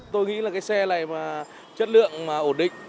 tôi nghĩ là cái xe này mà chất lượng mà ổn định